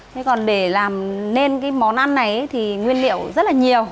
thế còn để làm nên cái món ăn này thì nguyên liệu rất là nhiều